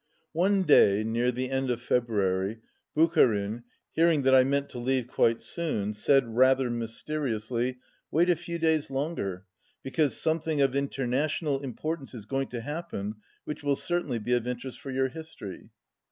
One day near the end of February, Bucharin, hearing that I meant to leave quite soon, said rather mysteriously, "Wait a few days longer, be cause something of international importance is going to happen which will certainly be of interest for your history."